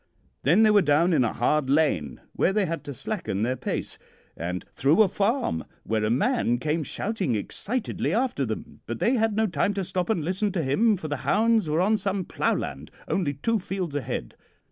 Then they were down in a hard lane, where they had to slacken their pace, and through a farm where a man came shouting excitedly after them; but they had no time to stop and listen to him, for the hounds were on some ploughland, only two fields ahead.